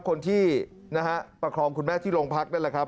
คนที่นะฮะประคองคุณแม่ที่โรงพักนั่นแหละครับ